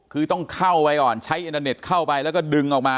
คือต้องเข้าไปก่อนใช้อินเทอร์เน็ตเข้าไปแล้วก็ดึงออกมา